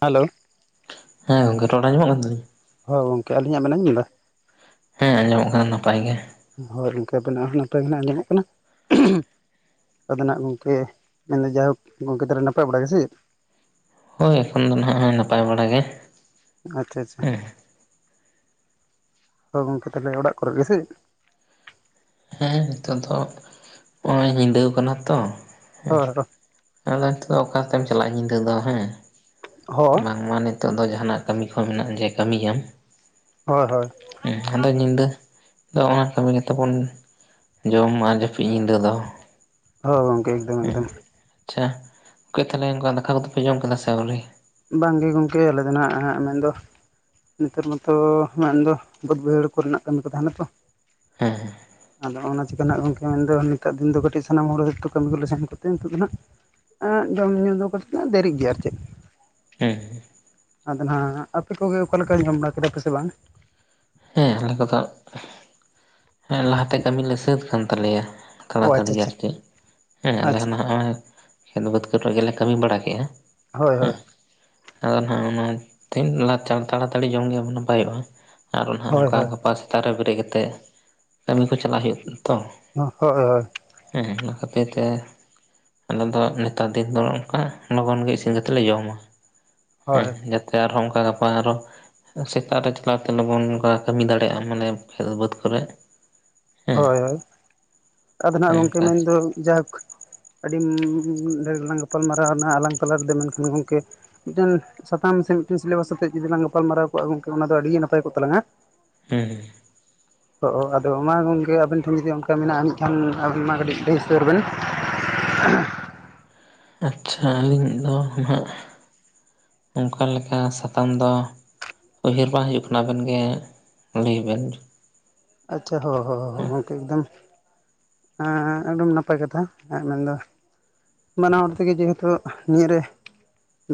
Hello. ᱦᱮᱸ ᱜᱚᱝᱠᱮ ᱨᱚᱲ ᱟᱸᱡᱚᱢᱚᱜ ᱠᱟᱱ ᱛᱟᱞᱤᱧᱟ? ᱦᱳᱭ ᱜᱚᱝᱠᱮ᱾ ᱟᱹᱞᱤᱧᱟᱜ ᱵᱮᱱ ᱟᱡᱚᱢ ᱮᱫᱟ? ᱦᱮᱸ ᱟᱸᱡᱚᱢᱚᱜ ᱠᱟᱱᱟ ᱱᱟᱯᱟᱭ ᱜᱮ᱾ ᱦᱚᱭ ᱜᱚᱝᱠᱮ ᱟᱵᱮᱱᱟᱜ ᱦᱚᱸ ᱱᱟᱯᱟᱭ ᱜᱮ ᱦᱟᱸᱜ ᱟᱸᱡᱚᱢᱚᱜ ᱠᱟᱱᱟ᱾ ᱟᱫᱚ ᱱᱟᱜ ᱜᱚᱝᱠᱮ ᱢᱮᱱᱫᱟ ᱡᱟᱭᱦᱳᱠ ᱜᱚᱢᱠᱮ ᱛᱟᱦᱚᱞᱮ ᱱᱟᱯᱟᱭ ᱵᱟᱲᱟᱭ ᱜᱮ ᱥᱮ ᱪᱮᱫ? ᱦᱳᱭ ᱮᱠᱷᱚᱱ ᱫᱚ ᱱᱟᱦᱟᱜᱭ ᱦᱳᱭ ᱱᱟᱯᱟᱭ ᱵᱟᱲᱟ ᱜᱮ᱾ ᱟᱪᱪᱷᱟ ᱟᱪᱪᱷᱟ᱾ ᱦᱮᱸ ᱦᱚᱭ ᱜᱚᱝᱠᱮ ᱛᱟᱦᱚᱞᱮ ᱚᱲᱟᱜ ᱠᱚᱨᱮ ᱜᱮ ᱥᱮ ᱦᱮᱸ ᱱᱤᱛᱚᱜ ᱫᱚ ᱦᱚᱜᱼᱚᱭ ᱧᱤᱫᱟᱹᱣ ᱠᱟᱱᱟ ᱛᱚ ᱦᱮᱸ᱾ ᱦᱳᱭ ᱟᱫᱚ ᱱᱤᱛᱚᱜ ᱫᱚ ᱚᱠᱟᱛᱮᱢ ᱪᱟᱞᱟ-ᱟ ᱧᱤᱫᱟᱹ ᱫᱚ ᱦᱮᱸ᱾ ᱦᱳᱭ ᱵᱟᱝᱢᱟ ᱱᱤᱛᱚᱜ ᱫᱚ ᱡᱟᱦᱟᱱᱟᱜ ᱠᱟᱹᱢᱤ ᱠᱚ ᱢᱮᱱᱟᱜ-ᱟ ᱡᱮ ᱠᱟᱹᱢᱤᱭᱟᱢ᱾ ᱦᱳᱭ ᱦᱳᱭ᱾ ᱦᱩᱸ᱾ ᱟᱫᱚ ᱧᱤᱫᱟᱹ ᱫᱚ ᱚᱱᱟ ᱠᱟᱹᱢᱤ ᱠᱟᱛᱮ ᱵᱚᱱ ᱡᱚᱢ ᱟᱨ ᱡᱟᱹᱯᱤᱫ ᱧᱤᱫᱟᱹ ᱫᱚ᱾ ᱦᱳ ᱜᱚᱝᱠᱮ ᱮᱠᱫᱚᱢ ᱮᱠᱫᱚᱢ᱾ ᱦᱮᱸ ᱟᱪᱪᱷᱟ᱾ ᱠᱮ ᱛᱟᱞᱦᱮ ᱚᱝᱠᱟ ᱫᱟᱠᱟ ᱠᱚᱫᱚᱯᱮ ᱡᱚᱢ ᱠᱮᱫᱟ ᱥᱮ ᱟᱹᱣᱨᱤ? ᱵᱟᱝᱜᱮ ᱜᱚᱢᱠᱮ ᱟᱞᱮ ᱫᱚ ᱱᱟᱸᱜ ᱢᱮᱱᱫᱚ ᱱᱮᱛᱟᱨ ᱢᱟᱛᱚ ᱢᱮᱱᱫᱚ ᱵᱟᱹᱫᱽ ᱵᱟᱹᱭᱦᱟᱹᱲ ᱠᱚᱨᱮᱱᱟᱜ ᱠᱟᱹᱢᱤ ᱠᱚ ᱛᱟᱦᱮᱸᱱᱟ ᱛᱚ, ᱦᱮᱸ ᱦᱮᱸ᱾ ᱟᱫᱚ ᱚᱱᱟ ᱪᱤᱠᱟᱹ ᱱᱟᱸᱜ ᱜᱚᱢᱠᱮ ᱢᱮᱱᱫᱚ, ᱱᱮᱛᱟᱨ ᱫᱤᱱ ᱫᱚ ᱠᱟᱹᱴᱤᱡ ᱥᱟᱱᱟᱢ ᱦᱚᱲ ᱜᱮᱛᱚ ᱠᱟᱹᱢᱤ ᱠᱚᱞᱮ ᱥᱮᱱ ᱠᱟᱛᱮᱫ ᱱᱤᱛᱚᱜ ᱫᱚ ᱦᱟᱸᱜ ᱟᱸᱜ ᱡᱚᱢᱼᱧᱩ ᱫᱚ ᱠᱟᱛᱮᱫ ᱫᱮᱨᱤᱜ ᱜᱮᱭᱟ ᱟᱨ ᱪᱮᱫ᱾ ᱦᱩᱸ ᱦᱩᱸ᱾ ᱟᱫᱚ ᱱᱟᱸᱜ ᱟᱯᱮ ᱠᱚᱜᱮ ᱚᱠᱟ ᱞᱮᱠᱟᱧ ᱡᱚᱢ ᱵᱟᱲᱟ ᱠᱮᱫᱟ ᱯᱮᱥᱮ ᱵᱟᱝ? ᱦᱮᱸ ᱟᱞᱮ ᱠᱚᱫᱚ ᱦᱮᱸ ᱞᱟᱦᱟᱛᱮ ᱠᱟᱹᱢᱤ ᱞᱮ ᱥᱟᱹᱛ ᱠᱟᱱ ᱛᱟᱞᱮᱭᱟ᱾ ᱚ ᱛᱟᱲᱟᱛᱟᱹᱲᱤ ᱟᱪᱪᱷᱟ ᱜᱮ ᱟᱪᱪᱷᱟ ᱟᱨᱠᱤ ᱦᱮᱸ ᱟᱞᱮ ᱟᱪᱪᱷᱟ ᱦᱚᱸ ᱱᱟᱜ ᱱᱚᱭ ᱠᱷᱮᱛ ᱵᱟᱹᱫᱽᱠᱨᱮ ᱜᱮᱞᱮ ᱠᱟᱹᱢᱤ ᱵᱟᱲᱟ ᱠᱮᱜᱼᱟ᱾ ᱦᱳᱭ ᱦᱳᱭ᱾ ᱦᱮᱸ ᱟᱫᱚ ᱱᱟᱦᱟᱸᱜ ᱚᱱᱟ ᱛᱤᱱ [unintelligible] ᱛᱟᱲᱟᱛᱟᱲᱤ ᱡᱚᱢᱜᱮ ᱱᱟᱯᱟᱭᱚᱜᱼᱟ᱾ ᱟᱨ ᱚᱱᱟ ᱦᱚᱸ ᱦᱳᱭ ᱚᱱᱠᱟ ᱦᱳᱭ ᱜᱟᱯᱟ ᱥᱮᱛᱟᱜ ᱨᱮ ᱵᱮᱨᱮᱫ ᱠᱟᱛᱮᱜ ᱠᱟᱹᱢᱤ ᱠᱚ ᱪᱟᱞᱟᱜ ᱦᱩᱭᱩᱜ ᱛᱚ, ᱦᱳᱭ ᱦᱮᱸ ᱚᱱᱟ ᱠᱷᱟᱹᱛᱤᱨ ᱛᱮ ᱟᱞᱮ ᱫᱚ ᱱᱮᱛᱟᱨ ᱫᱤᱱ ᱫᱚ ᱚᱝᱠᱟ ᱞᱚᱜᱚᱱ ᱜᱮ ᱤᱥᱤᱱ ᱠᱟᱛᱮ ᱞᱮ ᱡᱚᱢᱟ᱾ ᱦᱳᱭ ᱦᱮᱸ ᱦᱳᱭ ᱡᱟᱛᱮ ᱟᱨᱦᱚ ᱚᱝᱠᱟ ᱜᱟᱯᱟ ᱟᱨᱚ ᱥᱮᱛᱟᱜ ᱨᱮ ᱪᱟᱞᱟᱣ ᱛᱚ ᱞᱚᱜᱚᱱ ᱚᱝᱠᱟ ᱠᱟᱹᱢᱤ ᱫᱟᱲᱮᱭᱟᱜᱼᱟ ᱢᱟᱱᱮ ᱠᱷᱮᱛ ᱵᱟᱹᱫᱽ ᱠᱚᱨᱮ᱾ ᱦᱮᱸ ᱦᱳᱭ ᱦᱳᱭ ᱟᱫᱚ ᱱᱟᱸᱜ ᱜᱚᱢᱠᱮ ᱚᱱᱠᱟ ᱢᱮᱱᱫᱚ ᱡᱟᱦᱳᱠ ᱟᱹᱰᱤ ᱰᱷᱮᱨ ᱞᱟᱝ ᱜᱟᱯᱟᱞ ᱢᱟᱨᱟᱣ ᱱᱟ ᱟᱞᱟᱝ ᱛᱟᱞᱟ ᱨᱮᱫᱚ ᱢᱮᱱᱠᱷᱟᱱ ᱜᱚᱢᱠᱮ ᱢᱤᱫᱴᱮᱱ ᱥᱟᱛᱟᱢ ᱥᱮ ᱢᱤᱫᱴᱮᱱ ᱥᱤᱞᱮᱵᱟᱥᱛᱮᱫ ᱡᱩᱫᱤ ᱞᱟᱝ ᱜᱟᱯᱟᱞᱢᱟᱨᱟᱣ ᱠᱚᱜᱼᱟ ᱜᱚᱝᱠᱮ ᱚᱱᱟ ᱫᱚ ᱟᱹᱰᱤ ᱱᱟᱯᱟᱭ ᱠᱚᱜ ᱛᱟᱞᱟᱝᱟ᱾ ᱦᱩᱸ᱾ ᱚᱻ ᱟᱫᱚ ᱢᱟ ᱜᱚᱝᱠᱮ ᱟᱵᱤᱱ ᱴᱷᱮᱱ ᱡᱩᱫᱤ ᱚᱱᱠᱟ ᱢᱮᱱᱟᱜ-ᱟ ᱱᱤᱡ ᱠᱷᱟᱱ ᱟᱵᱤᱱ ᱢᱟ ᱠᱟᱹᱴᱤᱡ ᱞᱟᱹᱭ ᱥᱚᱫᱚᱨ ᱵᱮᱱ᱾ [unintelligible] ᱟᱪᱪᱷᱟ ᱟᱹᱞᱤᱧ ᱫᱚ ᱱᱟᱦᱟᱸᱜ ᱚᱱᱠᱟ ᱞᱮᱠᱟ ᱥᱟᱛᱟᱢ ᱫᱚ ᱩᱭᱦᱟᱹᱨ ᱵᱟᱝ ᱦᱤᱡᱩᱜ ᱠᱟᱱᱟ ᱟᱵᱮᱱ ᱜᱮ ᱞᱟᱹᱭ ᱵᱮᱱ᱾ ᱟᱪᱪᱷᱟ ᱦᱚ ᱦᱚ ᱦᱚ ᱦᱚ ᱦᱚᱸ ᱦᱮᱸ ᱜᱚᱝᱠᱮ ᱮᱠᱫᱚᱢ ᱮᱸ ᱮᱠᱫᱚᱢ ᱱᱟᱯᱟᱭ ᱠᱟᱛᱷᱟ ᱮᱸᱜ ᱢᱮᱱ ᱫᱚ ᱵᱟᱱᱟ ᱦᱚᱲ ᱛᱮᱜᱮ ᱡᱮ ᱦᱮᱛᱩ ᱱᱤᱭᱟᱹ ᱨᱮ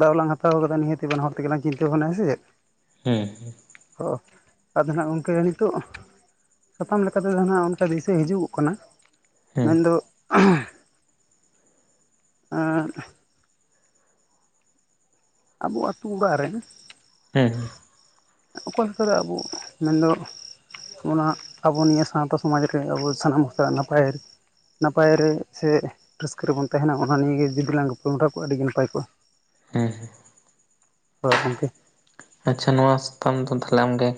ᱫᱟᱣ ᱞᱟᱝ ᱦᱟᱛᱟᱣ ᱠᱟᱫᱟ ᱱᱤᱦᱟᱹᱛᱤ ᱵᱟᱱᱟ ᱦᱚᱲ ᱛᱮᱜᱮ ᱞᱟᱝ ᱪᱤᱱᱛᱟᱹ ᱵᱷᱟᱵᱽᱱᱟᱭᱟ ᱥᱮ ᱪᱮᱜ᱾ ᱦᱩᱸ ᱦᱩᱸ᱾ ᱚ ᱟᱫᱚ ᱱᱟᱦᱟᱸᱜ ᱜᱚᱝᱠᱮ ᱱᱤᱛᱚᱜ ᱥᱟᱛᱟᱢ ᱞᱮᱠᱟ ᱛᱮᱫᱚ ᱱᱟᱦᱸᱟᱜ ᱚᱱᱠᱟ ᱫᱤᱥᱟᱹ ᱦᱤᱡᱩᱜᱚᱜ ᱠᱟᱱᱟ, ᱦᱮᱸ ᱢᱮᱱ ᱫᱚ ᱮᱸᱫ ᱟᱵᱚ ᱟᱛᱩ ᱚᱲᱟᱜ ᱨᱮᱱ ᱦᱩᱸ ᱦᱩᱸ᱾ ᱚᱠᱚᱭ ᱦᱚᱛᱮ ᱛᱮ ᱟᱵᱩ ᱢᱮᱱ ᱫᱚ ᱚᱱᱟ ᱟᱵᱚ ᱱᱤᱭᱟᱹ ᱥᱟᱶᱛᱟ ᱥᱚᱢᱟᱡᱽ ᱨᱮ ᱟᱵᱚ ᱥᱟᱱᱟᱢ ᱦᱚᱲ ᱱᱟᱯᱟᱭ ᱱᱟᱯᱟᱭ ᱨᱮ ᱥᱮ ᱨᱟᱹᱥᱠᱟᱹ ᱨᱮᱵᱚᱱ ᱛᱮᱦᱮᱸᱱᱟ ᱚᱱᱟ ᱱᱤᱭᱟᱹ ᱜᱮ ᱡᱩᱫᱤ ᱞᱟᱝ ᱜᱟᱯᱟᱞ ᱢᱟᱨᱟᱣ ᱠᱚᱜᱼᱟ ᱟᱹᱰᱤ ᱜᱮ ᱱᱟᱯᱟᱭ ᱠᱚᱜᱼᱟ᱾ ᱦᱩᱸ ᱦᱩᱸ᱾ [unintelligible] ᱜᱚᱝᱠᱮ᱾ ᱟᱪᱪᱷᱟ ᱱᱚᱣᱟ ᱥᱟᱛᱟᱢ ᱫᱚ ᱛᱟᱦᱚᱞᱮ ᱟᱢᱜᱮ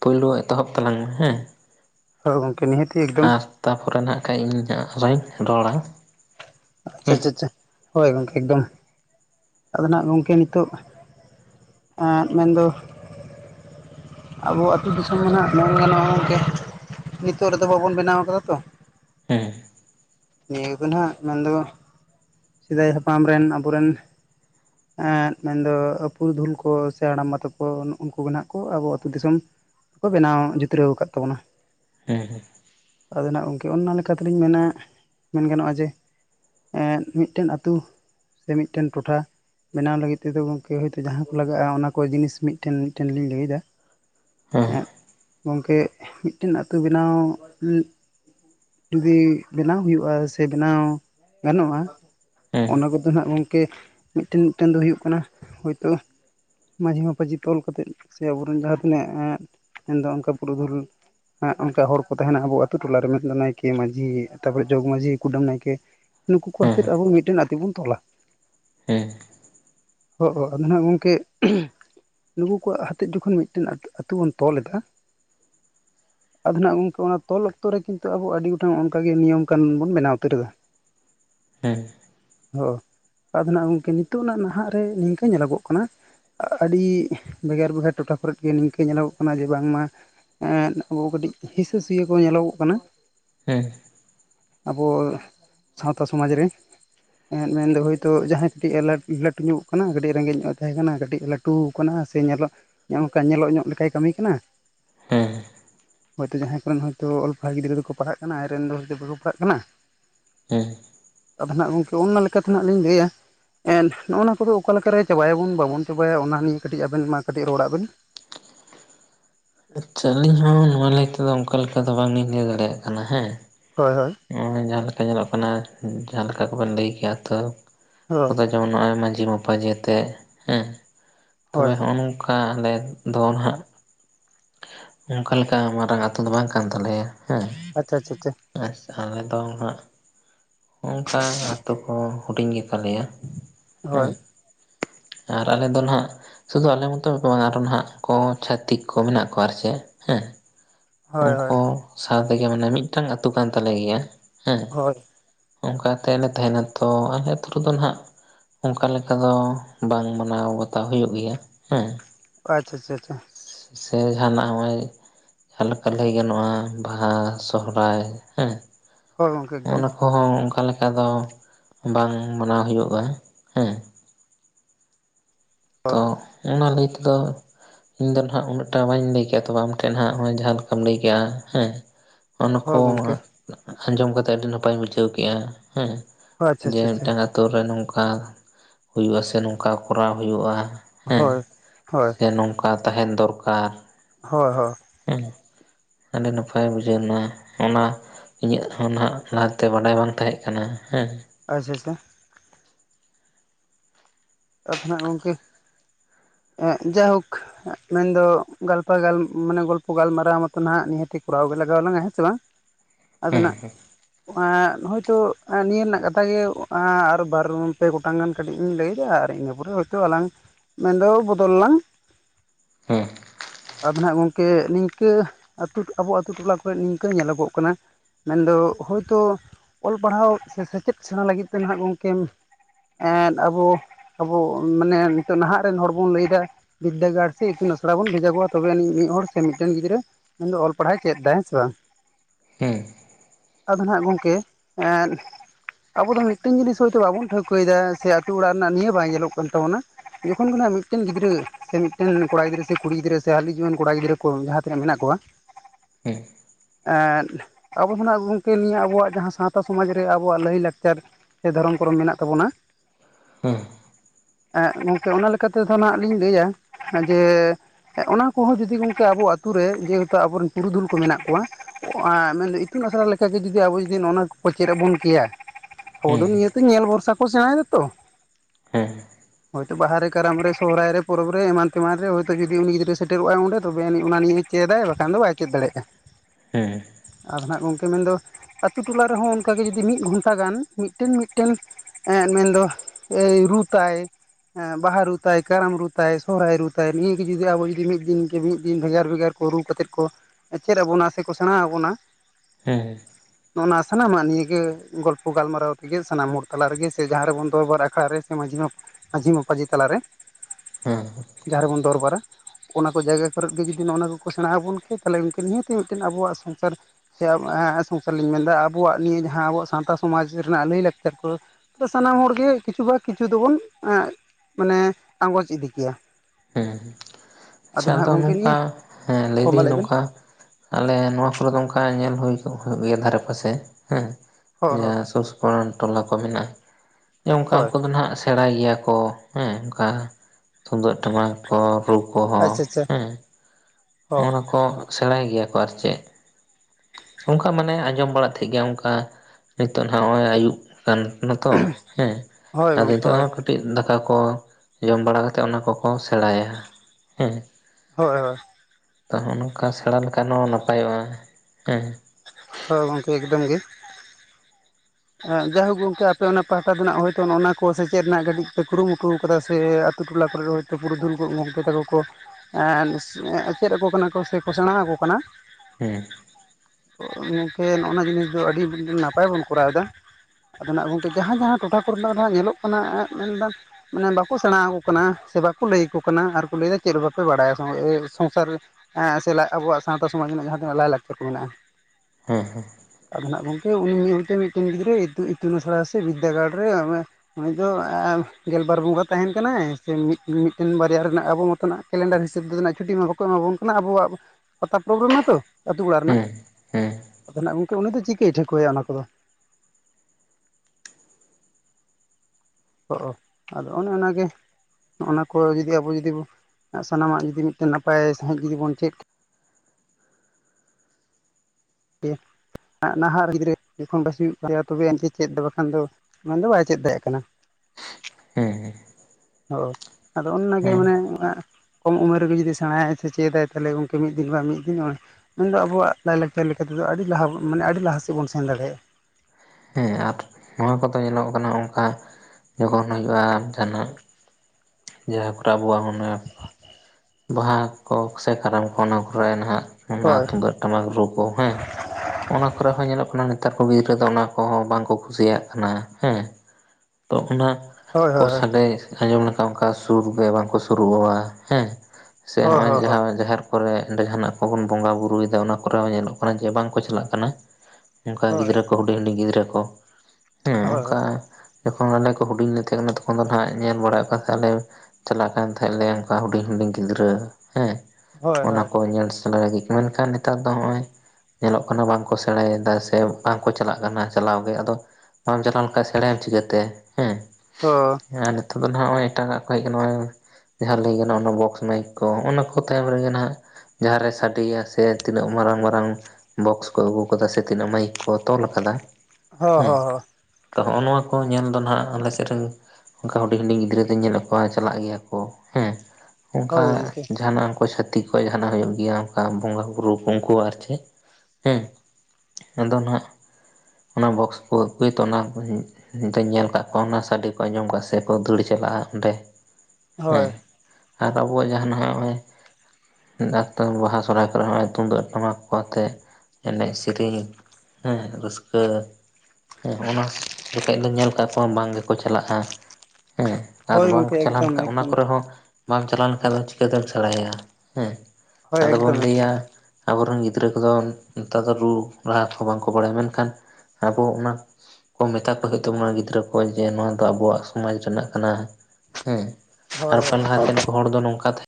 ᱯᱩᱭᱞᱩ ᱮᱛᱚᱦᱚᱵ ᱛᱟᱞᱟᱝ ᱢᱮ ᱦᱮᱸ᱾ ᱦᱚᱭ ᱜᱚᱝᱠᱮ ᱱᱤᱦᱟᱹᱛᱤ ᱮᱠᱫᱚᱢ᱾ ᱟᱨ ᱛᱟᱯᱚᱨᱮ ᱱᱟᱸᱜ ᱠᱷᱟᱡ ᱤᱧ ᱦᱟᱸᱜ ᱟᱨᱚᱧ ᱨᱚᱲᱟ᱾ ᱟᱪᱪᱷᱟ ᱦᱮᱸ ᱪᱷᱟ ᱪᱷᱟ ᱦᱳᱭ ᱜᱚᱝᱠᱮ ᱮᱠᱫᱚᱢ ᱟᱫᱚ ᱱᱟᱦᱟᱸᱜ ᱜᱚᱝᱠᱮ ᱱᱤᱛᱳᱜ ᱮᱸᱫ ᱢᱮᱱ ᱫᱚ ᱟᱵᱚ ᱟᱹᱛᱩ ᱫᱤᱥᱚᱢ ᱨᱮᱱᱟᱜ ᱢᱮᱱ ᱜᱟᱱᱚᱜ-ᱟ ᱜᱚᱝᱠᱮ ᱱᱤᱛᱚᱜ ᱨᱮᱫᱚ ᱵᱟᱵᱚᱱ ᱵᱮᱱᱟᱣ ᱠᱟᱫᱟ ᱛᱚ᱾ ᱦᱮᱸ᱾ ᱱᱤᱭᱟᱹ ᱠᱩ ᱱᱟᱦᱟᱸᱜ ᱢᱮᱱ ᱫᱚ ᱥᱮᱫᱟᱭ ᱦᱟᱯᱲᱟᱢ ᱨᱮᱱ ᱟᱵᱚ ᱨᱮᱱᱼᱼ ᱮᱸᱫ ᱢᱮᱱ ᱫᱚ ᱯᱩᱨᱩᱫᱷᱩᱞ ᱠᱚ ᱥᱮ, ᱦᱟᱲᱟᱢᱵᱟ ᱛᱟᱠᱚ ᱱᱩᱜ ᱩᱱᱠᱩ ᱜᱮ ᱱᱟᱦᱟᱸᱜ ᱠᱚ ᱟᱵᱚ ᱟᱛᱩ ᱫᱤᱥᱚᱢ ᱠᱚ ᱵᱮᱱᱟᱣ ᱡᱤᱛᱨᱟᱹᱣ ᱠᱟᱫ ᱛᱟᱵᱚᱱᱟ᱾ ᱦᱮᱸ ᱟᱫᱚ ᱱᱟᱦᱟᱸᱜ ᱜᱚᱝᱠᱮ ᱚᱱᱼᱱᱟ ᱞᱮᱠᱟ ᱛᱮᱞᱤᱧ ᱢᱮᱱᱟ, ᱢᱮᱱ ᱜᱟᱱᱚᱜ-ᱟ ᱡᱮᱼᱼ ᱮᱸᱫ ᱢᱤᱫᱴᱮᱱ ᱟᱛᱩ ᱥᱮ ᱢᱤᱫᱴᱮᱱ ᱴᱚᱴᱷᱟᱼᱼ ᱵᱮᱱᱟᱣ ᱞᱟᱹᱜᱤᱫ ᱛᱮᱫᱚ ᱜᱚᱝᱠᱮ ᱦᱳᱭᱛᱚ, ᱡᱟᱦᱟᱸ ᱠᱚ ᱞᱟᱜᱟᱜ-ᱟ ᱚᱱᱟ ᱠᱚ ᱡᱤᱱᱤᱥ ᱢᱤᱫᱴᱮᱱ ᱢᱤᱫᱴᱮᱱ ᱞᱤᱧ ᱞᱟᱹᱭ ᱫᱟ᱾ ᱦᱮᱸ ᱮᱸᱫ ᱜᱚᱝᱠᱮ ᱢᱤᱫᱴᱤᱱ ᱟᱹᱛᱩ ᱵᱮᱱᱟᱣ‌ ᱩᱸᱜᱼᱼ ᱡᱩᱫᱤ ᱵᱮᱱᱟᱣ ᱦᱩᱭᱩᱜ-ᱟ ᱥᱮ, ᱵᱮᱱᱟᱣ ᱜᱟᱱᱚᱜ-ᱟ᱾ ᱦᱮᱸ ᱚᱱᱟ ᱠᱚᱫᱚ ᱱᱟᱦᱟᱸᱜ ᱜᱚᱝᱠᱮ, ᱢᱤᱫᱴᱮᱱ ᱢᱤᱫᱴᱮᱱ ᱫᱚ ᱦᱩᱭᱩᱜ ᱠᱟᱱᱟ ᱦᱳᱭᱛᱳᱼᱼ ᱢᱟᱹᱡᱷᱤ ᱢᱟᱯᱟᱡᱷᱤ ᱛᱚᱞ ᱠᱟᱛᱮᱜ ᱥᱮ ᱟᱵᱚᱨ ᱮᱱ ᱡᱟᱦᱟᱸ ᱛᱤᱱᱟᱹᱜ ᱮᱸᱫ ᱢᱮᱱ ᱫᱚ ᱚᱱᱠᱟ ᱯᱩᱨᱩᱫᱷᱩᱞᱼᱼ ᱮᱸᱜ ᱚᱱᱠᱟ ᱦᱚᱲ ᱠᱚ ᱛᱟᱦᱮᱱᱟ ᱟᱵᱚ ᱟᱛᱩ ᱴᱚᱞᱟ ᱨᱮ ᱢᱮᱱ ᱫᱚ ᱱᱟᱭᱠᱮ ᱢᱟᱡᱷᱤ ᱛᱟᱯᱚᱨᱮᱼᱼ ᱡᱚᱜᱽ ᱢᱟᱡᱷᱤ ᱠᱩᱰᱟᱹᱢ ᱱᱟᱭᱠᱮ ᱱᱩᱠᱩ ᱠᱚ ᱦᱮᱸ ᱟᱛᱮᱫ ᱟᱵᱚ ᱢᱤᱫᱴᱮᱱ ᱟᱛᱤ ᱵᱩᱱ ᱛᱚᱞᱟ᱾ ᱦᱮᱸ ᱦᱚᱜᱼᱦᱚᱜ ᱟᱫᱚ ᱱᱟᱦᱟᱸᱜ ᱜᱚᱝᱠᱮᱼᱼ ᱱᱩᱠᱩ ᱠᱚ ᱦᱟᱛᱮᱡ ᱡᱚᱠᱷᱚᱱ ᱢᱤᱫᱴᱮᱱ ᱟᱹᱛᱩ ᱟᱹᱛᱩ ᱵᱚᱱ ᱛᱚᱞ ᱮᱫᱟ ᱟᱫᱚ ᱱᱟᱦᱟᱸᱜ ᱜᱚᱝᱠᱮ ᱚᱱᱟ ᱛᱚᱞ ᱚᱠᱛᱚ ᱨᱮ ᱠᱤᱱᱛᱩ ᱟᱵᱚ ᱟᱰᱤ ᱜᱚᱴᱟᱝ ᱚᱱᱠᱟ ᱜᱮ ᱱᱤᱭᱚᱢᱼᱼ ᱠᱟᱱᱩᱱ ᱵᱚᱱ ᱵᱮᱱᱟᱣ ᱩᱛᱟᱹᱨᱮᱫᱟ᱾ ᱦᱮᱸ᱾ ᱦᱚᱸ ᱟᱫᱚ ᱱᱟᱦᱟᱸᱜ ᱜᱚᱝᱠᱮ ᱱᱤᱛᱚᱜ ᱱᱟᱦᱟᱜ ᱨᱮ ᱱᱤᱝᱠᱟᱹ ᱧᱮᱞᱚᱜᱚᱜ ᱠᱟᱱᱟᱼᱼ ᱟᱼᱟᱰᱤ ᱵᱷᱮᱜᱟᱨ ᱵᱷᱮᱜᱟᱨ ᱴᱚᱴᱷᱟ ᱠᱚᱨᱮᱫ ᱜᱮ ᱱᱤᱝᱠᱟᱹ ᱧᱮᱞᱚᱜᱚᱜ ᱠᱟᱱᱟ ᱡᱮ ᱵᱟᱝ ᱢᱟᱼᱼ ᱮᱸᱫ ᱟᱵᱚ ᱠᱟᱹᱴᱤᱡ ᱦᱤᱥᱟᱹᱼᱥᱩᱭᱟᱹ ᱠᱚ ᱧᱮᱞᱚᱜᱚᱜ ᱠᱟᱱᱟ᱾ ᱦᱮᱸ᱾ ᱟᱵᱚ ᱥᱟᱶᱛᱟ ᱥᱚᱢᱟᱡᱽ ᱨᱮ᱾ ᱮᱸᱜ ᱢᱮᱱᱫᱚ ᱦᱳᱭᱛᱳ ᱡᱟᱦᱟᱸᱭ ᱠᱟᱹᱴᱤᱡ ᱮ ᱞᱟᱹᱴᱩ ᱧᱚᱜᱚᱜ ᱠᱟᱱᱟ, ᱠᱟᱹᱴᱤᱡ ᱨᱮᱸᱜᱮᱡ ᱧᱚᱜ ᱮ ᱛᱟᱦᱮᱸ ᱠᱟᱱᱟ ᱠᱟᱹᱴᱤᱡ ᱮ ᱞᱟᱹᱴ ᱴᱩ ᱟᱠᱟᱱᱟ ᱥᱮ ᱧᱮᱞᱚᱜ ᱧᱚᱜ ᱞᱮᱠᱟᱭ ᱠᱟᱹᱢᱤ ᱠᱟᱱᱟ᱾ ᱦᱮᱸ ᱦᱚᱭᱛᱳ ᱡᱟᱦᱟᱸᱭ ᱠᱚᱨᱮᱱ ᱦᱚᱭᱛᱳ ᱚᱞᱯᱟᱲᱦᱟᱣ ᱜᱤᱫᱽᱨᱟᱹ ᱫᱚᱠᱚ ᱯᱟᱲᱦᱟᱜ ᱟᱡ ᱨᱮᱱ ᱫᱚ ᱦᱚᱭᱛᱚ ᱵᱟᱠᱚ ᱯᱟᱲᱦᱟᱜ ᱠᱟᱱᱟ ᱦᱮᱸ ᱟᱫᱚ ᱱᱟᱦᱟᱜ ᱜᱚᱝᱠᱮ ᱚᱱᱱᱼᱟ ᱞᱮᱠᱟᱛᱮ ᱱᱟᱜ ᱞᱤᱧ ᱞᱟᱹᱭᱟ, ᱮ ᱱᱚᱜᱼᱚ ᱱᱚᱣᱟ ᱠᱚᱫᱚ ᱚᱠᱟ ᱞᱮᱠᱟ ᱨᱮ ᱪᱟᱵᱟᱭᱟᱵᱚᱱ, ᱵᱟᱵᱚᱱ ᱪᱟᱵᱟᱭᱟ ᱚᱱᱟ ᱱᱤᱭᱮ ᱠᱟᱹᱴᱤᱡ ᱟᱵᱮᱱ ᱢᱟ ᱠᱟᱹᱴᱤᱡ ᱨᱚᱲᱟᱜ ᱵᱮᱱ᱾ ᱟᱪᱪᱷᱟ ᱟᱹᱞᱤᱧ ᱦᱚᱸ ᱱᱚᱣᱟ ᱞᱟᱹᱭ ᱛᱮᱫᱚ ᱚᱱᱠᱟ ᱞᱮᱠᱟ ᱫᱚ ᱵᱟᱝ ᱞᱤᱧ ᱞᱟᱹᱭ ᱫᱟᱲᱮᱭᱟᱜ ᱠᱟᱱᱟ ᱦᱮᱸ, ᱦᱳᱭ, ᱦᱳᱭ ᱱᱚᱜᱚᱭ ᱡᱟᱦᱟᱸ ᱞᱮᱠᱟ ᱧᱮᱞᱚᱜ ᱠᱟᱱᱟ, ᱡᱟᱦᱟᱸ ᱞᱮᱠᱟ ᱠᱚᱵᱮᱱ ᱞᱟᱹᱭ ᱠᱮᱫᱟ ᱛᱚ, ᱦᱳᱭ ᱡᱮ ᱱᱚᱜᱼᱚᱭ ᱢᱟᱸᱡᱷᱤ ᱢᱟᱯᱟᱡᱷᱤ ᱟᱛᱮ ᱦᱮᱸ, ᱛᱚᱵᱮ ᱦᱳᱭ ᱦᱚᱜᱼᱚ ᱱᱚᱝᱠᱟ, ᱠᱟ ᱟᱞᱮ ᱫᱚ ᱱᱟᱦᱟᱜ ᱚᱱᱠᱟ ᱞᱮᱠᱟ ᱢᱟᱨᱟᱝ ᱟᱛᱳ ᱫᱚ ᱵᱟᱝ ᱠᱟᱱ ᱛᱟᱞᱮᱭᱟ ᱦᱮᱸ ᱟᱪᱪᱷᱟ, ᱟᱪᱪᱷᱟ, ᱟᱪᱪᱷᱟ ᱟᱨ ᱟᱞᱮ ᱫᱚ ᱦᱟᱜ ᱚᱝᱠᱟ ᱟᱛᱳ ᱠᱚ ᱦᱩᱰᱤᱧ ᱜᱮᱛᱟ ᱞᱮᱭᱟ, ᱦᱮᱸ ᱦᱳᱭ ᱟᱨ ᱟᱞᱮ ᱫᱚ ᱱᱟᱦᱟᱜ ᱥᱩᱫᱷᱩ ᱟᱞᱮ ᱢᱚᱛᱚ ᱟᱨᱚ ᱱᱟᱦᱟᱜ ᱠᱚ ᱪᱷᱟᱹᱛᱤᱠ ᱠᱚ ᱢᱮᱱᱟᱜ ᱠᱚᱣᱟ ᱟᱨ ᱪᱮᱫ ᱦᱮᱸ ᱦᱳᱭ ᱦᱳᱭ ᱩᱱᱠᱩ ᱥᱟᱶ ᱛᱮᱜᱮ ᱢᱟᱱᱮ ᱢᱤᱫᱴᱟᱝ ᱟᱹᱛᱩ ᱠᱟᱱ ᱛᱟᱞᱮ ᱜᱮᱭᱟ ᱦᱮᱸ ᱦᱳᱭ ᱚᱱᱠᱟ ᱠᱟᱛᱮᱫ ᱞᱮ ᱛᱟᱦᱮᱱᱟ ᱛᱚ ᱟᱞᱮ ᱟᱹᱛᱩ ᱨᱮᱫᱚ ᱦᱟᱸᱜ, ᱚᱱᱠᱟ ᱞᱮᱠᱟ ᱫᱚ ᱵᱟᱝ ᱢᱟᱱᱟᱣ ᱵᱟᱛᱟᱣ ᱦᱩᱭᱩᱜ ᱜᱮᱭᱟ ᱦᱮᱸ, ᱟᱪᱪᱷᱟ, ᱟᱪᱪᱷᱟ, ᱟᱪᱪᱷᱟ ᱥᱮ ᱡᱟᱦᱟᱱᱟᱜ ᱦᱚᱜᱼᱚᱭ ᱡᱟᱦᱟᱸ ᱞᱮᱠᱟ ᱞᱟᱹᱭ ᱜᱟᱱᱚᱜᱼᱟ ᱵᱟᱦᱟ ᱥᱚᱦᱚᱨᱟᱭ ᱦᱮᱸ, ᱦᱳᱭ ᱜᱚᱝᱠᱮ ᱮᱠᱫᱚᱢ᱾ ᱚᱱᱟ ᱠᱚᱦᱚᱸ ᱚᱱᱠᱟ ᱞᱮᱠᱟ ᱫᱚ ᱵᱟᱝ ᱢᱟᱱᱟᱣ ᱦᱩᱭᱩᱜᱼᱟ ᱦᱮᱸ᱾ ᱛᱚ ᱚᱱᱟ ᱞᱟᱹᱭ ᱛᱮᱫᱚ ᱤᱧ ᱫᱚ ᱱᱟᱦᱟᱜ ᱩᱱᱟᱹᱜᱴᱟ ᱵᱟᱹᱧ ᱞᱟᱹᱭ ᱠᱮᱭᱟ ᱛᱚᱵᱮ ᱟᱢ ᱴᱷᱮᱱ ᱦᱟᱸᱜ ᱦᱚᱜᱚᱭ ᱡᱟᱦᱟᱸ ᱞᱮᱠᱟᱢ ᱞᱟᱹᱭ ᱠᱮᱜᱼᱟ ᱦᱮᱸ, ᱚᱱᱟ ᱠᱚ ᱦᱳᱭ ᱜᱚᱢᱠᱮ ᱟᱸᱡᱚᱢ ᱠᱟᱛᱮᱜ ᱟᱹᱰᱤ ᱱᱟᱯᱟᱭᱤᱧ ᱵᱩᱡᱷᱟᱹᱣ ᱠᱮᱜᱼᱟ ᱦᱮᱸ, ᱦᱳᱭ ᱟᱪᱪᱷᱟ ᱡᱮ ᱟᱪᱪᱷᱟ ᱟᱪᱪᱷᱟ ᱢᱤᱫᱴᱟᱱ ᱟᱛᱳ ᱨᱮ ᱱᱚᱝᱠᱟ ᱦᱩᱭᱩᱜ ᱟᱥᱮ ᱱᱚᱝᱠᱟ ᱠᱚᱨᱟᱣ ᱦᱩᱭᱩᱜᱼᱟ᱾ ᱦᱮᱸ ᱦᱳᱭ ᱦᱳᱭ ᱥᱮ ᱱᱚᱝᱠᱟ ᱛᱟᱦᱮᱱ ᱫᱚᱨᱠᱟᱨ᱾ ᱦᱳᱭ ᱦᱳᱜ᱾ ᱦᱮᱸ ᱟᱹᱰᱤ ᱱᱟᱯᱟᱭ ᱵᱩᱡᱷᱟᱹᱣ ᱮᱱᱟ ᱚᱱᱟ ᱤᱧᱟᱹᱜ ᱦᱚᱸ ᱱᱟᱦᱟᱜ ᱞᱟᱦᱟᱛᱮ ᱵᱟᱰᱟᱭ ᱵᱟᱝ ᱛᱟᱦᱮᱸ ᱠᱟᱱᱟ ᱦᱮᱸ, ᱟᱪᱪᱷᱟ ᱟᱪᱪᱷᱟ᱾ ᱟᱫᱚ ᱦᱟᱸᱜ ᱜᱚᱢᱠᱮ ᱮᱸᱜ ᱡᱟᱭᱦᱳᱠ ᱢᱮᱱᱫᱚ ᱜᱟᱞᱯᱟ ᱜᱟᱞ ᱢᱟᱱᱮ ᱜᱚᱞᱯᱚ ᱜᱟᱞᱢᱟᱨᱟᱣ ᱢᱚᱛᱚ ᱱᱟᱦᱟᱜ ᱱᱤᱦᱟᱹᱛᱤ ᱠᱚᱨᱟᱣ ᱞᱟᱜᱟᱣ ᱟᱞᱟᱝᱟ ᱦᱮᱸ ᱥᱮ ᱵᱟᱝ, ᱦᱮᱸ ᱟᱵᱤᱱᱟᱜ [inaudible] ᱦᱚᱭᱛᱳ ᱱᱤᱭᱟᱹ ᱨᱮᱱᱟᱜ ᱠᱟᱛᱷᱟ ᱜᱮ ᱟᱨ ᱵᱟᱨ ᱯᱮ ᱜᱚᱴᱟᱝ ᱜᱟᱱ ᱠᱟᱹᱴᱤᱡ ᱤᱧ ᱞᱟᱹᱭᱫᱟ ᱟᱨ ᱤᱱᱟᱹ ᱯᱚᱨᱮ ᱦᱚᱭᱛᱳ ᱟᱞᱟᱝ ᱢᱮᱱᱫᱚ ᱵᱚᱫᱚᱞᱟᱝ, ᱦᱮᱸ᱾ ᱟᱫᱚ ᱱᱟᱦᱟᱜ ᱜᱚᱝᱠᱮ ᱱᱤᱝᱠᱟᱹ ᱟᱹᱛᱩ ᱟᱵᱚ ᱟᱹᱛᱩ ᱴᱚᱞᱟ ᱠᱚᱨᱮ ᱱᱤᱝᱠᱟᱹ ᱧᱮᱞᱚᱜᱼᱚᱜ ᱠᱟᱱᱟ, ᱢᱮᱱᱫᱚ ᱦᱳᱭᱛᱳ ᱚᱞ ᱯᱟᱲᱦᱟᱣ ᱥᱮ ᱥᱮᱪᱮᱫ ᱥᱮᱬᱟ ᱞᱟᱹᱜᱤᱫ ᱛᱮ ᱱᱟᱦᱟᱜ ᱜᱚᱢᱠᱮ ᱮᱸᱜ ᱟᱵᱚ, ᱟᱵᱚ ᱢᱟᱱᱮ ᱱᱤᱛᱚᱜ ᱱᱟᱦᱟᱜ ᱨᱮᱱ ᱦᱚᱲ ᱵᱚᱱ ᱞᱟᱹᱭᱫᱟ ᱵᱤᱫᱽᱫᱟᱹᱜᱟᱲ ᱥᱮ ᱤᱛᱩᱱ ᱟᱥᱲᱟ ᱵᱚᱱ ᱵᱷᱮᱡᱟ ᱠᱚᱣᱟ ᱛᱚᱵᱮ ᱟᱹᱱᱤᱡ ᱢᱤᱫ ᱦᱚᱲ ᱥᱮ ᱢᱤᱫᱴᱟᱝ ᱜᱤᱫᱽᱨᱟᱹ ᱢᱮᱱ ᱫᱚ ᱚᱞ ᱯᱟᱲᱦᱟᱣ ᱮ ᱪᱮᱫ ᱫᱟ ᱦᱮᱸ ᱥᱮ ᱵᱟᱝ ᱾ ᱦᱮᱸ ᱟᱫᱚ ᱱᱟᱦᱟᱜ ᱜᱚᱝᱠᱮ ᱮᱸᱫ ᱟᱵᱚ ᱫᱚ ᱢᱤᱫᱴᱮᱱ ᱡᱤᱱᱤᱥ ᱦᱳᱭᱛᱳ ᱵᱟᱵᱚᱱ ᱴᱷᱟᱹᱣᱠᱟᱹᱭᱮᱫᱟ ᱥᱮ ᱟᱛᱳ ᱚᱲᱟᱜ ᱨᱮᱱᱟᱜ ᱱᱤᱭᱟᱹ ᱵᱟᱝ ᱧᱮᱞᱚᱜ ᱠᱟᱱ ᱛᱟᱵᱚᱱᱟ ᱡᱚᱠᱷᱚᱱ ᱜᱮ ᱱᱟᱦᱟᱜ ᱢᱤᱫᱴᱮᱱ ᱜᱤᱫᱽᱨᱟᱹ ᱥᱮ ᱢᱤᱫᱴᱮᱱ ᱡᱚᱠᱷᱚᱱ ᱜᱮ ᱱᱟᱜ ᱢᱤᱫᱴᱮᱱ ᱜᱤᱫᱽᱨᱟᱹ ᱥᱮ ᱢᱤᱫᱴᱮᱱ ᱠᱚᱲᱟ ᱜᱤᱫᱽᱨᱟᱹ ᱥᱮ ᱠᱩᱲᱤ ᱜᱤᱫᱽᱨᱟᱹ ᱥᱮ ᱦᱟᱹᱞᱤ ᱡᱩᱣᱟᱹᱱ ᱠᱚᱲᱟ ᱜᱤᱫᱽᱨᱟᱹ ᱠᱚ ᱡᱟᱦᱟᱸ ᱛᱤᱱᱟᱹᱜ ᱢᱮᱱᱟᱜ ᱠᱚᱣᱟ, [inaudible] ᱟᱫ ᱟᱵᱚ ᱠᱷᱚᱱᱟᱜ ᱜᱚᱝᱠᱮ ᱱᱤᱭᱟᱹ ᱟᱵᱚᱣᱟᱜ ᱡᱟᱦᱟᱸ ᱥᱟᱶᱛᱟ ᱥᱚᱢᱟᱡᱽ ᱨᱮ ᱟᱵᱚᱣᱟᱜ ᱞᱟᱹᱭ-ᱞᱟᱠᱪᱟᱨ, ᱥᱮ ᱫᱷᱚᱨᱚᱢ ᱠᱚᱨᱚᱢ ᱢᱮᱱᱟᱜ ᱛᱟᱵᱚᱱᱟ ᱦᱮᱸ ᱮᱸᱜ ᱜᱚᱝᱠᱮ ᱚᱱᱟ ᱞᱮᱠᱟ ᱛᱮᱫᱚ ᱱᱟᱜ ᱞᱤᱧ ᱞᱟᱹᱭᱟ ᱡᱮ, ᱚᱱᱟ ᱠᱚ ᱦᱚᱸ ᱡᱩᱫᱤ ᱜᱚᱝᱠᱮ ᱟᱵᱚ ᱟᱛᱩ ᱨᱮ ᱡᱮᱦᱮᱛᱩ ᱟᱵᱚ ᱨᱮᱱ ᱯᱩᱨᱩᱫᱷᱩᱞ ᱠᱚ ᱢᱮᱱᱟᱜ ᱠᱚᱣᱟ ᱟᱸ ᱢᱮᱱᱫᱚ ᱤᱛᱩᱱ ᱟᱥᱲᱟ ᱞᱮᱠᱟ ᱜᱮ ᱡᱩᱫᱤ ᱟᱵᱚ ᱡᱩᱫᱤ ᱱᱚᱜ ᱱᱚᱣᱟ ᱠᱚ ᱪᱮᱫ ᱟᱵᱚᱱ ᱠᱮᱭᱟ, ᱦᱮᱸ ᱚᱫᱚ ᱦᱮᱸ ᱱᱤᱭᱟᱹᱛᱮ ᱧᱮᱞ ᱵᱷᱚᱨᱥᱟ ᱠᱚ ᱥᱮᱬᱟᱭ ᱫᱟ ᱛᱚ ᱦᱮᱸ ᱦᱳᱭᱛᱳ ᱵᱟᱦᱟ, ᱠᱟᱨᱟᱢ, ᱨᱮ ᱥᱚᱦᱚᱨᱟᱭ, ᱨᱮ ᱯᱚᱨᱚᱵᱽ ᱨᱮ ᱮᱢᱟᱱ ᱛᱮᱢᱟᱱ ᱨᱮ ᱦᱳᱭᱛᱳ ᱡᱩᱫᱤ ᱩᱱᱤ ᱜᱤᱫᱽᱨᱟᱹᱭ ᱥᱮᱴᱮᱨᱚᱜ-ᱟᱭ ᱚᱸᱰᱮ ᱛᱚᱵᱮ ᱟᱹᱱᱤᱡ ᱚᱱᱟ ᱱᱤᱭᱮ ᱪᱮᱫ ᱟᱭ ᱵᱟᱠᱷᱟᱱ ᱫᱚ ᱵᱟᱭ ᱪᱮᱫ ᱫᱟᱲᱮᱭᱟᱜᱼᱟ᱾ ᱦᱮᱸ᱾ ᱟᱫᱚ ᱦᱟᱜ ᱜᱚᱝᱠᱮ ᱢᱮᱱ ᱫᱚ ᱟᱛᱳ ᱴᱚᱞᱟ ᱨᱮᱦᱚᱸ ᱚᱱᱠᱟᱜ ᱜᱮ ᱡᱩᱫᱤ ᱢᱤᱫ ᱜᱷᱚᱱᱴᱟ ᱜᱟᱱ ᱢᱤᱫᱴᱮᱱ ᱢᱤᱫᱴᱮᱱ, ᱮᱸᱜ ᱢᱮᱱ ᱫᱚ ᱮᱭ ᱨᱩ ᱛᱟᱭ ᱦᱮᱸ ᱵᱟᱦᱟ ᱨᱩ ᱛᱟᱭ ᱠᱟᱨᱟᱢ ᱨᱩ ᱛᱟᱭ ᱥᱚᱦᱚᱨᱟᱭ ᱨᱩ ᱛᱟᱭ ᱱᱤᱭᱟᱹ ᱜᱮ ᱡᱩᱫᱤ ᱟᱵᱚ ᱡᱩᱫᱤ ᱢᱤᱫ ᱫᱤᱱ ᱠᱮ ᱢᱤᱫ ᱫᱤᱱ ᱵᱷᱮᱜᱟᱨ ᱵᱷᱮᱜᱟᱨ ᱨᱩ ᱠᱟᱛᱮᱫ ᱠᱚ ᱪᱮᱫ ᱟᱵᱚᱱᱟ ᱥᱮᱠᱚ ᱥᱮᱬᱟ ᱟᱵᱚᱱᱟ᱾ ᱦᱮᱸ ᱾ ᱱᱚᱜ ᱱᱟ ᱥᱟᱱᱟᱢᱟᱜ ᱱᱤᱭᱟᱹᱜᱮ ᱜᱚᱞᱯᱚ ᱜᱟᱞᱢᱟᱨᱟᱣ ᱛᱮᱜᱮ ᱥᱟᱱᱟᱢ ᱦᱚᱲ ᱛᱟᱞᱟ ᱨᱮᱜᱮ ᱥᱮ ᱡᱟᱦᱟᱸ ᱨᱮᱵᱚᱱ ᱫᱚᱨᱵᱟᱨ ᱟᱠᱷᱲᱟ ᱨᱮ, ᱢᱟᱺᱡᱷᱤ ᱦᱚᱸ ᱢᱟᱺᱡᱷᱤ ᱢᱟᱯᱟᱡᱷᱤ ᱛᱟᱞᱟᱨᱮ ᱦᱮᱸ ᱦᱮᱸ ᱡᱟᱦᱟᱸ ᱨᱮᱵᱚᱱ ᱫᱚᱨᱵᱟᱨᱟ ᱚᱱᱟ ᱠᱚ ᱡᱟᱭᱜᱟ ᱠᱚᱨᱮᱜ ᱜᱮ ᱡᱩᱫᱤ ᱱᱚᱜ ᱱᱟ ᱠᱚᱠᱚ ᱥᱮᱬᱟ ᱟᱵᱚᱱ ᱠᱮ ᱛᱟᱦᱚᱞᱮ ᱱᱤᱦᱟᱹᱛᱤ ᱢᱤᱫᱴᱮᱱ ᱟᱵᱚᱣᱟᱜ ᱥᱚᱝᱥᱟᱨ, ᱥᱮ ᱥᱚᱝᱥᱟᱨ ᱞᱤᱧ ᱢᱮᱱᱫᱟ ᱟᱵᱚᱣᱟᱜ ᱱᱤᱭᱟᱹ ᱡᱟᱦᱟᱸ ᱟᱵᱚᱣᱟᱜ ᱥᱟᱶᱟᱛᱟ ᱥᱚᱢᱟᱡᱽ ᱨᱮᱱᱟᱜ ᱞᱟᱹᱭ ᱞᱟᱠᱪᱟᱨ ᱠᱚ, ᱥᱟᱱᱟᱢ ᱦᱚᱲ ᱜᱮ ᱠᱤᱪᱷᱩ ᱵᱷᱟᱜᱽ, ᱠᱤᱪᱷᱩ ᱫᱚᱵᱚᱱ ᱟᱸ ᱢᱟᱱᱮ ᱟᱸᱜᱚᱪ ᱤᱫᱤ ᱠᱮᱭᱟ ᱦᱮᱸ ᱟᱪᱪᱷᱟ ᱱᱟᱦᱟᱜ ᱟᱫᱚ ᱜᱚᱢᱠᱮ ᱱᱚᱝᱠᱟ ᱱᱤᱭᱟᱹ ᱦᱮᱸ ᱞᱟᱹᱭ ᱦᱚᱸ ᱢᱟ ᱫᱟᱹᱧ ᱵᱮᱱ ᱱᱚᱝᱠᱟ ᱟᱞᱮ ᱱᱚᱣᱟ ᱠᱚᱨᱮ ᱫᱚ ᱚᱱᱠᱟ ᱧᱮᱞ ᱦᱩᱭ ᱠᱚ ᱦᱩᱭᱩᱜ ᱜᱮᱭᱟ ᱫᱷᱟᱨᱮ ᱯᱟᱥᱮ ᱦᱮᱸ ᱦᱚᱸ ᱦᱚᱸ ᱡᱟᱦᱟᱸ ᱥᱩᱨ ᱥᱩᱯᱩᱨ ᱴᱚᱞᱟ ᱠᱚ ᱢᱮᱱᱟᱜ-ᱟ, ᱚᱱᱠᱟ ᱦᱳᱭ ᱩᱱᱠᱩ ᱫᱚ ᱱᱟᱜ ᱥᱮᱬᱟᱭ ᱜᱮᱭᱟ ᱠᱚ ᱦᱮᱸ ᱚᱱᱠᱟ ᱛᱩᱢᱫᱟᱹᱜ ᱴᱟᱢᱟᱠ ᱠᱚ ᱨᱩ ᱠᱚᱦᱚᱸ ᱟᱪᱪᱷᱟ ᱟᱪᱪᱷᱟ ᱦᱮᱸ ᱦᱚᱸ ᱚᱱᱟᱠᱚ ᱠᱚ ᱥᱮᱬᱟᱭ ᱜᱮᱭᱟ ᱠᱚ ᱟᱨ ᱪᱮᱫ ᱚᱱᱠᱟ ᱢᱟᱱᱮ ᱟᱸᱡᱚᱢ ᱵᱟᱲᱟᱜ ᱛᱟᱦᱮᱸᱫ ᱜᱮᱭᱟ ᱚᱱᱠᱟ ᱱᱤᱛᱚᱜ ᱱᱟᱜ ᱱᱚᱜ-ᱚᱭ ᱟᱹᱭᱩᱵ [unintelligible] ᱠᱟᱱᱟ ᱛᱚ ᱦᱮᱸ ᱦᱳᱭ ᱟᱫᱚ ᱜᱚᱢᱠᱮ ᱱᱤᱛᱚᱜ ᱦᱳᱭ ᱠᱟᱹ [unintelligible] ᱫᱟᱠᱟ ᱠᱚ ᱡᱚᱢ ᱵᱟᱲᱟ ᱠᱟᱛᱮ ᱚᱱᱟ ᱠᱚᱠᱚ ᱥᱮᱬᱟᱭᱟ ᱦᱮᱸ ᱦᱳᱭ ᱦᱳᱭ ᱛᱚ ᱦᱚ-ᱱᱚᱝᱠᱟ ᱥᱮᱬᱟ ᱞᱮᱠᱷᱟᱱ ᱦᱚᱸ ᱱᱟᱯᱟᱭᱚᱜᱼᱟ ᱦᱮᱸ ᱦᱳᱭ ᱜᱚᱝᱠᱮ ᱮᱠᱫᱚᱢ ᱜᱮ ᱡᱟᱭᱦᱳᱠ ᱜᱚᱝᱠᱮ ᱟᱯᱮ ᱚᱱᱟ ᱯᱟᱦᱴᱟ ᱫᱚ ᱱᱟᱜ ᱦᱚᱭᱛᱳ ᱱᱚᱜ-ᱱᱟ ᱠᱚ ᱥᱮᱪᱮᱫ ᱨᱮᱱᱟᱜ ᱠᱟᱹᱴᱤᱡ ᱯᱮ ᱠᱩᱨᱩᱢᱩᱴᱩ ᱠᱟᱫᱟ ᱥᱮ ᱟᱛᱩ ᱴᱚᱞᱟ ᱠᱚᱨᱮ ᱦᱚᱭᱛᱳ ᱯᱩᱨᱩᱫᱷᱩᱞ ᱠᱚ ᱜᱚᱢᱠᱮ ᱛᱟᱠᱚ ᱠᱚ ᱮᱸ ᱪᱮᱫ ᱟᱠᱚ ᱠᱟᱱᱟ ᱠᱚ ᱥᱮᱠᱚ ᱥᱮᱬᱟ ᱟᱠᱚ ᱠᱟᱱᱟ ᱦᱮᱸ ᱜᱚᱢᱠᱮ ᱱᱚ-ᱚᱱᱟ ᱡᱤᱱᱤᱥ ᱫᱚ ᱟᱹᱰᱤ ᱱᱟᱯᱟᱭ ᱵᱚᱱ ᱠᱚᱨᱟᱣᱫᱟ ᱟᱫᱚ ᱱᱟᱜ ᱜᱚᱝᱠᱮ ᱡᱟᱦᱟᱸ ᱡᱟᱦᱟᱸ ᱴᱚᱴᱷᱟ ᱠᱚᱨᱮ ᱱᱟᱜ ᱫᱚ ᱦᱟᱸᱜ ᱧᱮᱞᱚᱜ ᱠᱟᱱᱟ ᱢᱮᱱᱫᱟ ᱢᱟᱱᱮ ᱵᱟᱠᱚ ᱥᱮᱬᱟ ᱟᱠᱚ ᱠᱟᱱᱟ ᱥᱮ ᱵᱟᱠᱚ ᱞᱟᱹᱭ ᱟᱠᱚ ᱠᱟᱱᱟ ᱟᱨᱠᱚ ᱞᱟᱹᱭᱫᱟ ᱪᱮᱫ ᱦᱚᱸ ᱵᱟᱯᱮ ᱵᱟᱲᱟᱭᱟ [unintelligible] ᱥᱚᱝᱥᱟᱨ ᱮᱸ ᱥᱮ [unintelligible] ᱟᱵᱚᱣᱟᱜ ᱥᱟᱶᱛᱟ ᱥᱚᱢᱟᱡᱽ ᱨᱮᱱᱟᱜ ᱡᱟᱦᱟᱸ ᱛᱤᱱᱟᱹᱜ ᱞᱟᱭᱼᱞᱟᱠᱪᱟᱨ ᱠᱚ ᱢᱮᱱᱟᱜ-ᱟ ᱦᱮᱸ ᱦᱮᱸ ᱟᱫᱚ ᱦᱟᱸᱜ ᱜᱚᱢᱠᱮ ᱩᱱᱤ ᱢᱤᱫ ᱚᱱᱛᱮ ᱢᱤᱫᱴᱮᱱ ᱜᱤᱫᱽᱨᱟᱹ ᱤᱛᱩ, ᱤᱛᱩᱱ ᱟᱥᱲᱟ ᱥᱮ ᱵᱤᱫᱽᱫᱟᱹᱜᱟᱲ ᱨᱮ [unintelligible] ᱱᱩᱭ ᱫᱚ ᱮᱸ ᱜᱮᱞᱵᱟᱨ ᱵᱚᱸᱜᱟ ᱛᱟᱦᱮᱱ ᱠᱟᱱᱟᱭ ᱥᱮ ᱢᱤᱫ ᱢᱤᱫᱴᱮᱱ ᱵᱟᱨᱭᱟ ᱨᱮᱱᱟᱜ ᱟᱵᱚ ᱢᱚᱛᱚᱱᱟᱜ ᱠᱮᱞᱮᱱᱰᱟᱨ ᱦᱤᱥᱟᱹᱵ ᱛᱮ ᱫᱚ ᱱᱟᱜ ᱪᱷᱩᱴᱤ ᱢᱟ ᱵᱟᱠᱚ ᱮᱢᱟᱵᱚᱱ ᱠᱟᱱᱟ ᱟᱵᱚᱣᱟᱜ ᱯᱟᱛᱟ ᱯᱚᱨᱚᱵᱽ [unintelligible] ᱢᱟᱛᱚ ᱟᱹᱛᱩ ᱚᱲᱟᱜ ᱨᱮᱱᱟᱜ, ᱦᱮᱸ ᱟᱫᱚ ᱱᱟᱜ ᱜᱚᱝᱠᱮ ᱩᱱᱤ ᱫᱚ ᱪᱤᱠᱟᱹᱭ ᱴᱷᱟᱹᱣᱠᱟᱹᱭᱟ ᱚᱱᱟ ᱠᱚᱫᱚ ᱚ ᱟᱫᱚ ᱚᱱᱮ ᱚᱱᱟᱜᱮ ᱱᱚᱜ ᱚᱱᱟ ᱠᱚ ᱡᱩᱫᱤ ᱟᱵᱚ ᱡᱩᱫᱤ ᱵᱚ ᱥᱟᱱᱟᱢᱟᱜ ᱡᱩᱫᱤ ᱢᱤᱫᱴᱮᱱ ᱱᱟᱯᱟᱭ ᱥᱟᱺᱦᱤᱡ ᱡᱩᱫᱤ ᱵᱚᱱ ᱪᱮᱫ [unintelligible] ᱱᱟᱦᱟᱜ ᱜᱤᱫᱽᱨᱟᱹ ᱡᱚᱠᱷᱚᱱ [unintelligible] ᱦᱩᱭᱩᱜ ᱛᱚᱵᱮ ᱮᱱ ᱪᱮᱫ ᱫᱚ ᱵᱟᱠᱷᱟᱱ ᱫᱚ ᱢᱮᱱᱫᱚ ᱵᱟᱭ ᱪᱮᱫ ᱫᱟᱲᱮᱭᱟᱜ ᱠᱟᱱᱟ ᱦᱮᱸ ᱦᱮᱸ ᱚ ᱟᱫᱚ ᱚᱱᱱᱟ ᱜᱮ ᱢᱟᱱᱮ ᱚᱱᱟ ᱠᱚᱢ ᱩᱢᱮᱨ ᱨᱮᱜᱮ ᱡᱩᱫᱤ ᱥᱮᱬᱟᱭᱟᱭ ᱥᱮ ᱪᱮᱫᱟᱭ ᱛᱟᱦᱚᱞᱮ ᱜᱚᱢᱠᱮ ᱢᱤᱫ ᱫᱤᱱ ᱵᱟᱝ ᱢᱤᱫ ᱫᱤᱱ ᱢᱮᱱᱫᱚ ᱟᱵᱚᱣᱟᱜ ᱞᱟᱭ-ᱞᱟᱠᱪᱟᱨ ᱞᱮᱠᱟ ᱛᱮᱫᱚ ᱟᱹᱰᱤ ᱞᱟᱦᱟ ᱢᱟᱱᱮ ᱟᱹᱰᱤ ᱞᱟᱦᱟ ᱥᱮᱫ ᱵᱚᱱ ᱥᱮᱱ ᱫᱟᱲᱮᱭᱟᱜ-ᱟ ᱦᱮᱸ ᱟᱨ ᱱᱚᱣᱟ ᱠᱚᱫᱚ ᱧᱮᱞᱚᱜ ᱠᱟᱱᱟ ᱚᱱᱠᱟ ᱡᱚᱠᱷᱚᱱ ᱦᱩᱭᱩᱜ-ᱟ, ᱡᱟᱦᱟᱱᱟᱜ ᱡᱟᱦᱟᱸ ᱠᱚᱨᱮ ᱟᱵᱚᱣᱟᱜ ᱚᱱᱟ ᱵᱟᱦᱟ ᱠᱚ ᱥᱮ ᱠᱟᱨᱟᱢ ᱠᱚ ᱚᱱᱟ ᱠᱚᱨᱮ ᱱᱟᱦᱟᱜ ᱚᱱᱟ ᱦᱳᱭ ᱛᱩᱢᱫᱟᱹᱜ ᱴᱟᱢᱟᱠ ᱨᱩ ᱠᱚ ᱦᱮᱸ ᱚᱱᱟ ᱠᱚᱨᱮ ᱦᱚᱸ ᱧᱮᱞᱚᱜ ᱠᱟᱱᱟ ᱱᱮᱛᱟᱨ ᱠᱚ ᱜᱤᱫᱽᱨᱟᱹ ᱫᱚ ᱚᱱᱟ ᱠᱚᱦᱚᱸ ᱵᱟᱝ ᱠᱚ ᱠᱩᱥᱤᱭᱟᱜ ᱠᱟᱱᱟ ᱦᱮᱸ ᱛᱚ ᱚᱱᱟ ᱦᱳᱭ ᱠᱚ ᱦᱳᱭ ᱥᱟᱰᱮ ᱟᱸᱡᱚᱢ ᱞᱮᱠᱷᱟᱱ ᱚᱱᱠᱟ ᱥᱩᱨ ᱜᱮ ᱵᱟᱝᱠᱚ ᱥᱩᱨᱩᱜᱼᱟ ᱦᱮᱸ ᱥᱮ ᱦᱚᱸᱜᱼᱚᱭ ᱦᱳᱭ ᱡᱟᱦᱟᱸ ᱡᱟᱦᱮᱨ ᱠᱚᱨᱮ ᱰᱮᱦᱟᱸᱱᱟᱜ ᱠᱚᱵᱚᱱ ᱵᱚᱸᱜᱟ ᱵᱩᱨᱩᱭᱮᱫᱟ ᱚᱱᱟ ᱠᱚᱨᱮ ᱦᱚᱸ ᱧᱮᱞᱚᱜ ᱠᱟᱱᱟ ᱡᱮ ᱵᱟᱝᱠᱚ ᱪᱟᱞᱟᱜ ᱠᱟᱱᱟ ᱚᱱᱠᱟ ᱦᱳᱭ ᱜᱤᱫᱽᱨᱟᱹ ᱠᱚ ᱦᱩᱰᱤᱧ ᱦᱩᱰᱤᱧ ᱜᱤᱫᱽᱨᱟᱹ ᱠᱚ, ᱦᱮᱸ ᱦᱳᱭ ᱚᱱᱠᱟ ᱡᱚᱠᱷᱚᱱ ᱟᱞᱮ ᱠᱚ ᱦᱩᱰᱤᱧ ᱞᱮ ᱛᱟᱦᱮᱸ ᱠᱟᱱᱟ ᱛᱚᱠᱷᱚᱱ ᱫᱚ ᱱᱟᱦᱟᱜ ᱧᱮᱞ ᱵᱟᱲᱮᱫ ᱠᱟᱱ ᱟᱞᱮ ᱪᱟᱞᱟᱜ ᱠᱟᱱ ᱛᱟᱦᱮᱸ ᱞᱮ ᱚᱱᱠᱟ ᱦᱩᱰᱤᱧ ᱦᱩᱰᱤᱧ ᱜᱤᱫᱽᱨᱟᱹ ᱦᱮᱸ ᱦᱳᱭ ᱚᱱᱟ ᱦᱳᱭ ᱠᱚ ᱧᱮᱞ [unintelligible] ᱢᱮᱱᱠᱷᱟᱱ ᱱᱮᱛᱟᱨ ᱫᱚ ᱦᱚᱜᱼᱚᱭ ᱧᱮᱞᱚᱜ ᱠᱟᱱᱟ ᱵᱟᱝᱠᱚ ᱥᱮᱬᱟᱭᱮᱫᱟ ᱥᱮ ᱵᱟᱝᱠᱚ ᱪᱟᱞᱟᱜ ᱠᱟᱱᱟ ᱪᱟᱞᱟᱣ ᱜᱮ ᱟᱫᱚ ᱵᱟᱢ ᱪᱟᱞᱟᱣ ᱞᱮᱱᱠᱟᱱ‌ ᱥᱮᱬᱟᱭᱟᱢ ᱪᱤᱠᱟᱹᱛᱮ ᱦᱮᱸ, ᱦᱳ ᱮᱸ ᱱᱤᱛᱚᱜ ᱫᱚ ᱱᱟᱦᱟᱜ ᱱᱚᱜ-ᱚᱭ ᱮᱴᱟᱜ ᱟᱜ ᱠᱚ ᱦᱮᱡ ᱟᱠᱟᱱᱟ ᱱᱚᱜ-ᱚᱭ ᱡᱟᱦᱟᱸ ᱞᱟᱹᱭ ᱜᱟᱱᱚᱜᱼᱟ ᱚᱱᱟ ᱵᱚᱠᱥ ᱢᱟᱭᱤᱠ ᱠᱚ ᱚᱱᱟ ᱠᱚ ᱛᱟᱭᱚᱢ ᱨᱮᱜᱮ ᱱᱟᱦᱟᱜ ᱡᱟᱦᱟᱸ ᱨᱮ ᱥᱟᱰᱮᱭᱟ ᱥᱮ ᱛᱤᱱᱟᱹᱜ ᱢᱟᱨᱟᱝ ᱢᱟᱨᱟᱝ ᱵᱚᱠᱥ ᱠᱚ ᱟᱹᱜᱩ ᱠᱟᱫᱟ ᱥᱮ ᱛᱤᱱᱟᱹᱜ ᱢᱟᱭᱤᱠ ᱠᱚ ᱛᱚᱞ ᱠᱟᱫᱟ, ᱦᱚᱸ ᱦᱚᱸ ᱦᱚᱸ, ᱛᱚ ᱦᱚᱸᱜ ᱱᱚᱣᱟ ᱠᱚ ᱧᱮᱞ ᱫᱚ ᱱᱟᱦᱟᱜ ᱟᱞᱮ ᱥᱮᱫ ᱨᱮᱱ ᱚᱱᱠᱟ ᱦᱩᱰᱤᱧ ᱦᱩᱰᱤᱧ ᱜᱤᱫᱽᱨᱟᱹ ᱧᱮᱞᱮᱜ ᱠᱚᱣᱟ ᱪᱟᱞᱟᱜ ᱜᱮᱭᱟ ᱠᱚ, ᱦᱮᱸ ᱚᱱᱠᱟ ᱦᱳᱭ ᱜᱚᱢᱠᱮ ᱡᱟᱦᱟᱱᱟᱜ ᱪᱷᱟᱛ ᱦᱟᱹᱛᱤ ᱠᱚ ᱡᱟᱦᱱᱟᱜ ᱦᱩᱭᱩᱜ ᱜᱮᱭᱟ ᱚᱱᱠᱟ ᱵᱚᱸᱜᱟ ᱵᱩᱨᱩ ᱩᱱᱠᱩ ᱟᱨ ᱪᱮᱫ ᱦᱮᱸ ᱟᱫᱚ ᱱᱟᱸᱜ ᱚᱱᱟ ᱵᱚᱠᱥ ᱠᱚ ᱟᱹᱜᱩᱭ ᱛᱮ ᱚᱱᱟ ᱠᱚ ᱱᱤᱛᱤᱧ ᱧᱮᱞ ᱠᱟᱜ ᱠᱚᱣᱟ ᱚᱱᱟ ᱥᱟᱰᱮ ᱠᱚ ᱟᱸᱡᱚᱢ ᱠᱟᱜ ᱥᱮᱠᱚ ᱫᱟᱹᱲ ᱪᱟᱞᱟᱜᱼᱟ ᱚᱸᱰᱮ ᱦᱮᱸ ᱦᱳᱭ ᱟᱨ ᱟᱵᱚᱣᱟᱜ ᱡᱟᱦᱟᱱᱟᱜ ᱱᱚᱜᱼᱚᱭ [unintelligible] ᱵᱟᱦᱟ ᱥᱚᱦᱨᱟᱭ ᱠᱚᱨᱮ ᱦᱚᱸᱜ-ᱚᱭ ᱛᱩᱢᱫᱟᱹᱜ ᱴᱟᱢᱟᱠ ᱠᱚ ᱟᱛᱮ ᱮᱱᱮᱡ ᱥᱮᱨᱮᱧ ᱦᱮᱸ ᱨᱟᱹᱥᱠᱟᱹ ᱦᱮᱸ ᱦᱚᱸᱜ ᱱᱚᱣᱟ ᱡᱚᱠᱷᱮᱡ ᱫᱚ ᱧᱮᱞ ᱟᱠᱚᱣᱟᱢ ᱵᱟᱝ ᱜᱮᱠᱚ ᱪᱟᱞᱟᱜᱼᱟ, ᱦᱮᱸ ᱟᱨ ᱦᱳᱭ ᱵᱟᱝ ᱠᱚ ᱜᱚᱢᱠᱮ ᱪᱟᱞᱟᱣᱮᱱ ᱮᱠᱫᱚᱢ ᱠᱷᱟᱱ ᱚᱱᱟ ᱮᱠᱫᱚᱢ ᱠᱚᱨᱮ ᱦᱚᱸ ᱵᱟᱢ ᱪᱟᱞᱟᱣ ᱞᱮᱱᱠᱷᱟᱱ ᱫᱚ ᱪᱤᱠᱟᱹᱛᱮᱢ ᱥᱮᱬᱟᱭᱟ ᱦᱮᱸ ᱦᱳᱭ ᱟᱫᱚ ᱵᱚᱱ ᱮᱠᱫᱚᱢ ᱞᱟᱹᱭᱟ ᱮᱠᱫᱚᱢ ᱟᱵᱚᱨᱮᱱ ᱜᱤᱫᱽᱨᱟᱹ ᱠᱚᱫᱚ ᱱᱮᱛᱟᱨ ᱫᱚ ᱨᱩ ᱨᱟᱦᱟ ᱠᱚᱦᱚᱸ ᱵᱟᱝᱠᱚ ᱵᱟᱲᱟᱭᱟ ᱢᱮᱱᱠᱷᱟᱱ ᱟᱵᱚ ᱚᱱᱟ ᱠᱚ ᱢᱮᱛᱟ ᱠᱚ ᱦᱩᱭᱩᱜ ᱛᱟᱵᱚᱱᱟ ᱜᱤᱫᱽᱨᱟᱹ ᱠᱚ ᱡᱮ ᱱᱚᱣᱟ ᱫᱚ ᱟᱵᱚᱣᱟᱜ ᱥᱚᱢᱟᱡᱽ ᱨᱮᱱᱟᱜ ᱠᱟᱱᱟ᱾ ᱦᱮᱸ ᱟᱨ ᱦᱳᱭ ᱦᱳᱭ ᱯᱟᱞᱟᱦᱟᱛᱮᱱ ᱦᱚᱲ ᱫᱚ ᱱᱚᱝᱠᱟ ᱛᱟᱦᱮᱸ ᱠᱟᱱᱟ